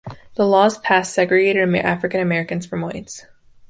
The laws passed segregated African Americans from Whites.